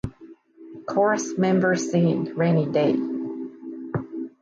Chorus members sing "Rainy Day".